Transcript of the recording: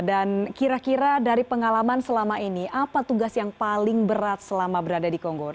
dan kira kira dari pengalaman selama ini apa tugas yang paling berat selama berada di konggur